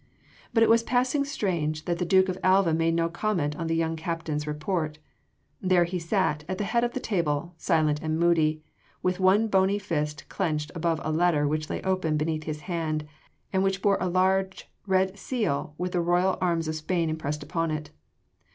But it was passing strange that the Duke of Alva made no comment on the young captain’s report. There he sat, at the head of the table, silent and moody, with one bony fist clenched above a letter which lay open beneath his hand, and which bore a large red seal with the royal arms of Spain impressed upon it.